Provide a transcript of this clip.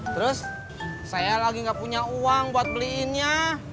terus saya lagi nggak punya uang buat beliinnya